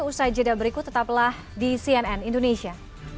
usai jeda berikut tetaplah di cnn indonesia